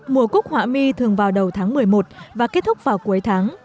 mùa cúc họa mi thường vào đầu tháng một mươi một và kết thúc vào cuối tháng